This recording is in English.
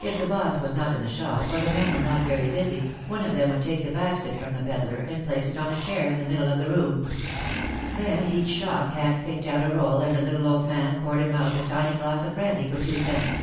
If the boss was not in the shop or the men were not very busy, one of them would take the basket from the pedlar and place it on a chair in the middle of the room. Then each shop hand picked out a roll and the little old man poured him out a tiny glass of brandy for two cents.